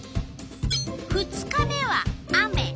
２日目は雨。